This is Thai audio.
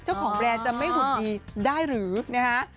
แบรนด์จะไม่หุ่นดีได้หรือนะฮะ